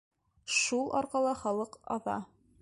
Шул арҡала халыҡ аҙа!